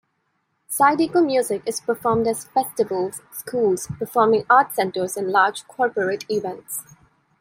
Zydeco music is performed at festivals, schools, performing art centers and large corporate events.